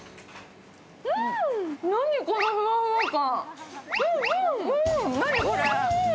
何このふわふわ感。